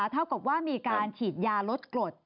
เท่ากับว่ามีการฉีดยาลดกรด